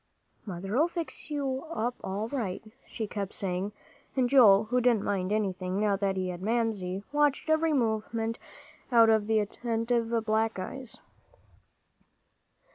"Mother'll fix you up all right," she kept saying. And Joel, who didn't mind anything, now that he had Mamsie, watched every movement out of attentive black eyes.